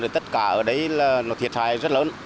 tất cả ở đây là thiệt hại rất lớn